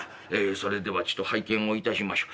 それではちと拝見を致しましょう。